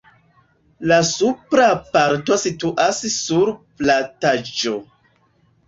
La supra parto situas sur plataĵo.